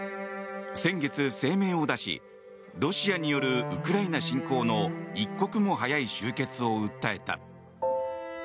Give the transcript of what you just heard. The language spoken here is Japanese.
先月、声明を出しロシアによるウクライナ侵攻の一刻も早い終結を訴えた。